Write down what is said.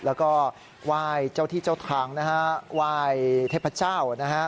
แล้วก็ไหว้เจ้าที่เจ้าทางนะฮะไหว้เทพเจ้านะฮะ